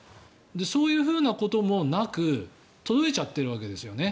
そういうふうなこともなく届いちゃってるわけですよね。